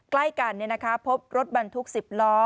ใกล้กันพบรถบรรทุก๑๐ล้อ